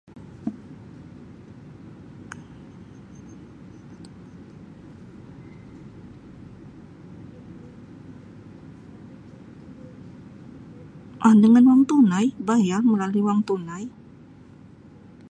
Oh dengan wang tunai bayar melalui wang tunai.